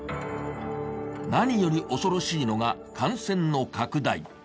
何より恐ろしいのが感染の拡大。